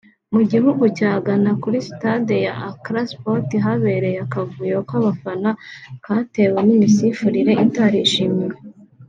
Mu gihugu cya Ghana kuri stade ya Accra Sports habereye akavuyo k’abafana katewe n’imisifurire itarishimiwe